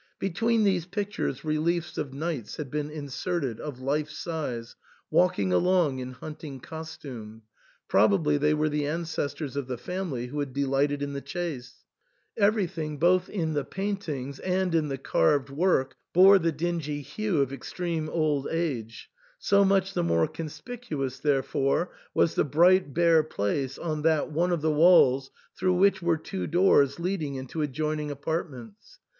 Between these pictures reliefs of knights had been inserted, of life size, walking along in hunting costume ; probably they were the ancestors of the family who had delighted in the chase. Every thing, both in the paintings and in the carved work, bore the dingy hue of extreme old age ; so much the more conspicuous therefore was the bright bare place on that one of the walls through which were two doors leading into adjoining apartments.